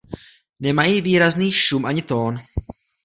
Nemají výrazný šum ani tón.